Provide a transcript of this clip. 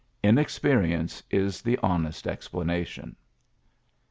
Inexperience is the honest explanation.